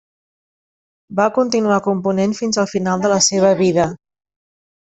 Va continuar component fins al final de la seua vida.